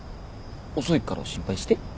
遅いから心配して？